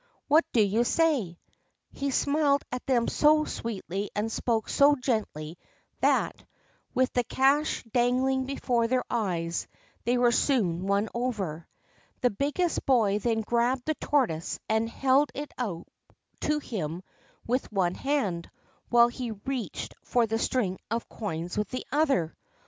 What do you say ?' He smiled at them so sweetly and spoke so gently that, with the cash dangling before their eyes, they were soon won over. The biggest boy then grabbed the tortoise, and held it out to him with one hand, while he reached for the string of coins with the other.